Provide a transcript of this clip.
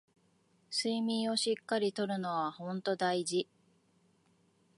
睡眠をしっかり取るのはほんと大事